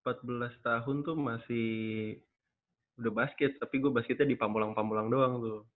iya gua empat belas tahun tuh masih udah basket tapi gua basketnya di pambulang pambulang doang tuh